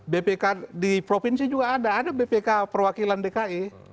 bpk di provinsi juga ada ada bpk perwakilan dki